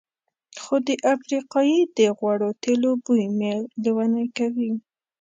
خو د افریقایي د غوړو تېلو بوی مې لېونی کوي.